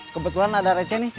kebetulan ada receh nih